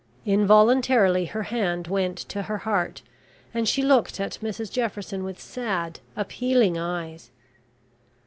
Involuntarily her hand went to her heart, and she looked at Mrs Jefferson with sad, appealing eyes.